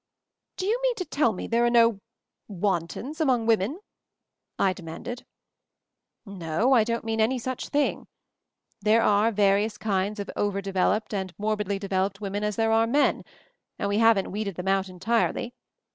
"Do you mean to tell me there are no —* wantons — among women?" I demanded. "No, I don't mean any such thing. There are various kinds of over developed and mor bidly developed women as there are men, and we haven't weeded them out entirely.